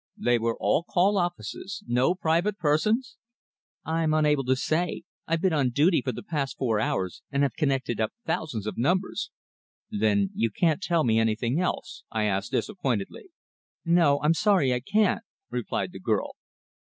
"They were all call offices no private persons?" "I'm unable to say. I've been on duty for the past four hours, and have connected up thousands of numbers." "Then you can't tell me anything else?" I asked disappointedly. "No. I'm sorry I can't," replied the girl.